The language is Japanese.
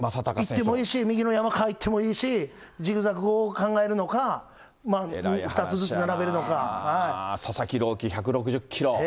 いってもいいし、右の山川いってもいいし、ジグザグ法を考えるのか、２つずつ並べ佐々木朗希、１６０キロ。